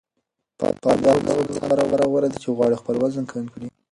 بادام د هغو کسانو لپاره غوره دي چې غواړي خپل وزن کم کړي.